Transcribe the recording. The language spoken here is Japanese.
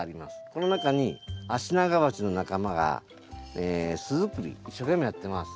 この中にアシナガバチの仲間が巣作り一生懸命やってます。